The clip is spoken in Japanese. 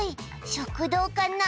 食堂かな？